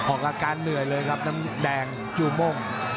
ออกอาการเหนื่อยเลยครับน้ำแดงจูม่ง